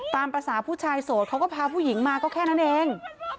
ตามภาษาผู้ชายโสดเขาก็พาผู้หญิงมาก็แค่นั้นเอง